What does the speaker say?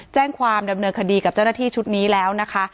แจ้งความดำเนินคดีกับเจ้าหน้าที่ชุดนี้แล้วนะคะ